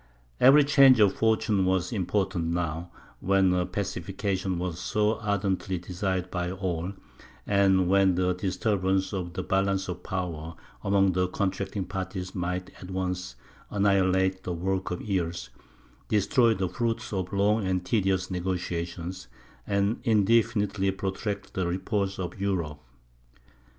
Every change of fortune was important now, when a pacification was so ardently desired by all, and when the disturbance of the balance of power among the contracting parties might at once annihilate the work of years, destroy the fruit of long and tedious negociations, and indefinitely protract the repose of Europe.